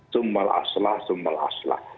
summal aslah summal aslah